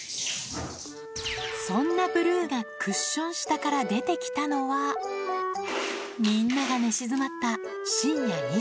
そんなブルーがクッション下から出てきたのは、みんなが寝静まった深夜２時。